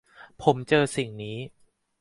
ผมเจอสิ่งนี้